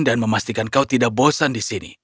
dan memastikan kau tidak bosan di sini